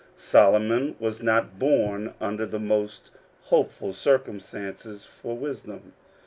Solomon was not born under the most hopeful circumstances for wisdom.